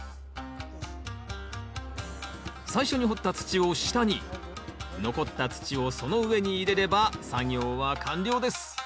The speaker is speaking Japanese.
最初に掘った土を下に残った土をその上に入れれば作業は完了です